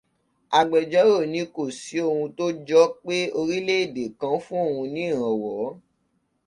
Agbẹjórò ní kò sí ohun tó jọọ́ pé orílẹ́èdè kan fún òun ní ìrànwọ́